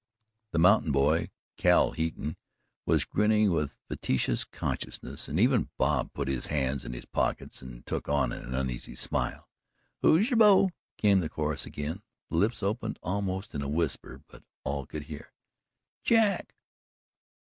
The mountain boy, Cal Heaton, was grinning with fatuous consciousness, and even Bob put his hands in his pockets and took on an uneasy smile. "Who's your beau?" came the chorus again. The lips opened almost in a whisper, but all could hear: "Jack!"